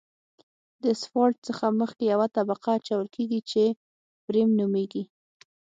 د اسفالټ څخه مخکې یوه طبقه اچول کیږي چې فریم نومیږي